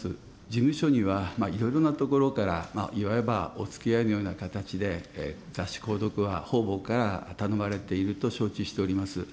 事務所には、いろいろなところから、いわばおつきあいのような形で、雑誌購読は、方々から頼まれていると承知をしております。